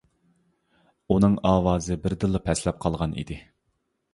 ئۇنىڭ ئاۋازى بىردىنلا پەسلەپ قالغان ئىدى.